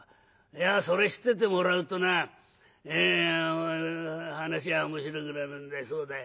いやそれ知っててもらうとな話は面白くなるんだそうだ。